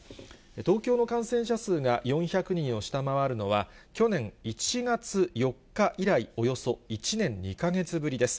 東京の感染者数が４００人を下回るのは、去年１月４日以来、およそ１年２か月ぶりです。